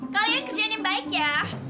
kalian kerjain yang baik ya